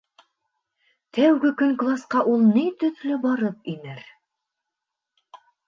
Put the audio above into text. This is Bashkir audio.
Тәүге көн класҡа ул ни төҫлө барып инер?